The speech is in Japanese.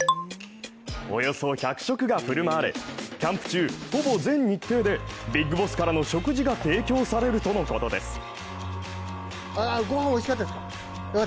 およそ１００食が振る舞われ、キャンプ中ほぼ全日程でビッグボスからの食事が提供されるとのことです。